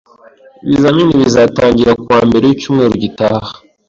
Ibizamini bizatangira ku wa mbere wicyumweru gitaha